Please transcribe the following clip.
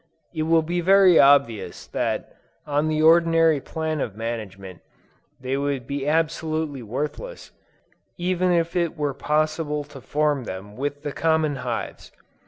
It will be very obvious that on the ordinary plan of management, they would be absolutely worthless, even if it were possible to form them with the common hives.